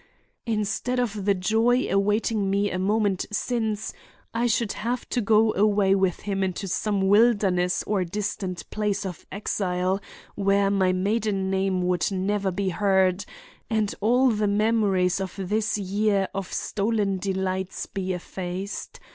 Instead of the joy awaiting me a moment since, I should have to go away with him into some wilderness or distant place of exile where my maiden name would never be heard, and all the memories of this year of stolen delights be effaced.